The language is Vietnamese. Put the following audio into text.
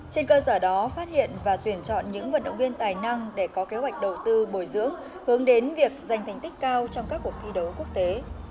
trên cơ sở đó phát hiện và tuyển chọn những vận động viên tài năng để có kế hoạch đầu tư bồi dưỡng hướng đến việc giành thành tích cao trong các cuộc thi đấu quốc tế